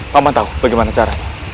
paman tahu bagaimana caranya